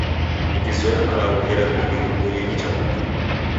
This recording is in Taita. Nikizoya malagho gherekoghe ghiboie nicha putu.